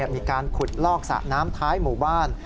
มีการขุดลอกสระน้ำท้ายหมู่บ้าน